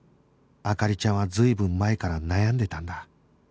灯ちゃんは随分前から悩んでたんだ